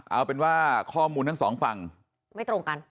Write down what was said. เอาเป็นว่าข้อมูลทั้งสองฝั่งไม่ตรงกัน